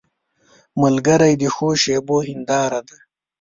ملګری د ښو شېبو هنداره ده